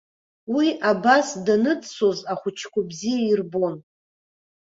Уи абас даныӡсоз ахәыҷқәа бзиа ирбон.